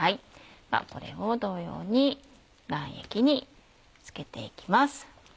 これを同様に卵液につけて行きます。